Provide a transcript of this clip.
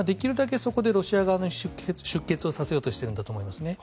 そこでロシア側に出血させようとしているんだと思いますね。